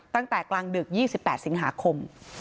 ตั้งแต่กลางดึก๒๘สิงหาคม